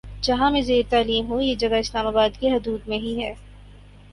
جہاں میں زیرتعلیم ہوں یہ جگہ اسلام آباد کی حدود میں ہی ہے